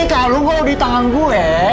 ini kalung kalau di tangan gue